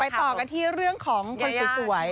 ต่อกันที่เรื่องของคนสวย